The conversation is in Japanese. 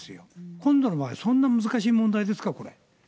今度の場合、そんな難しい問題ですか、これ。